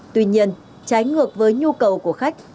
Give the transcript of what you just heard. tuy nhiên trái ngược với nhu cầu của khách